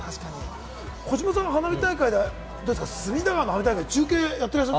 児嶋さん、花火大会で隅田川花火大会、中継をやってらっしゃって？